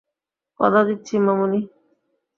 কথা দিচ্ছি, মামুনি।